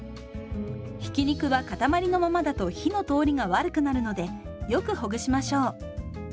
ひき肉は塊のままだと火の通りが悪くなるのでよくほぐしましょう。